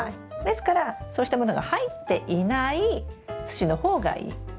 ですからそうしたものが入っていない土の方がいい。